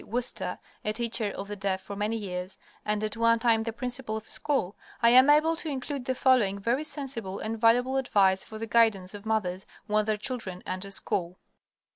Worcester, a teacher of the deaf for many years, and at one time the principal of a school, I am able to include the following very sensible and valuable advice for the guidance of mothers when their children enter school.